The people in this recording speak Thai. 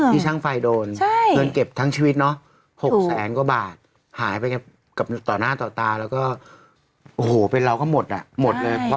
ช่างไฟโดนเงินเก็บทั้งชีวิตเนาะ๖แสนกว่าบาทหายไปกับต่อหน้าต่อตาแล้วก็โอ้โหเป็นเราก็หมดอ่ะหมดเลย